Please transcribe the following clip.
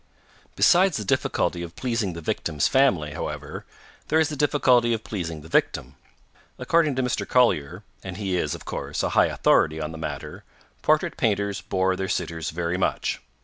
Besides the difficulty of pleasing the victim's family, however, there is the difficulty of pleasing the victim. According to Mr. Collier, and he is, of course, a high authority on the matter, portrait painters bore their sitters very much.